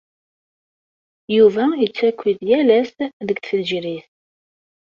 Yuba yettaki-d yal ass deg tfejrit.